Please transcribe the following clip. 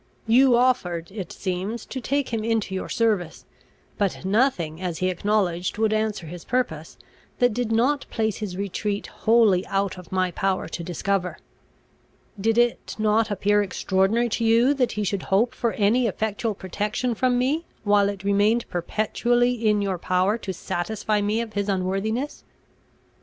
You offered, it seems, to take him into your service; but nothing, as he acknowledged, would answer his purpose, that did not place his retreat wholly out of my power to discover." "Did it not appear extraordinary to you, that he should hope for any effectual protection from me, while it remained perpetually in your power to satisfy me of his unworthiness?"